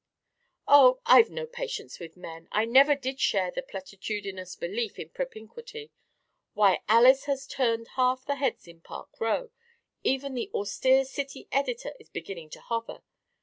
"Oh, I've no patience with men! I never did share the platitudinous belief in propinquity. Why, Alys has turned half the heads in Park Row. Even the austere city editor is beginning to hover.